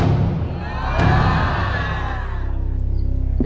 และคำถามสำหรับเรื่องนี้นะครับ